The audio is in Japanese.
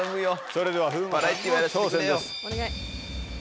それでは風磨さんの挑戦です。